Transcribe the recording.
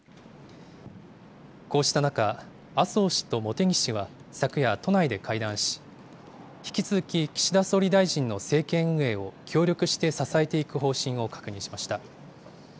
こうした中、麻生氏と茂木氏は、昨夜、都内で会談し、引き続き岸田総理大臣の政権運営を協力して支えていく方針を確認しました。